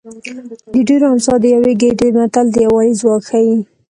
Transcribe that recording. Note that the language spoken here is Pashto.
د ډېرو امسا د یوه ګېډۍ متل د یووالي ځواک ښيي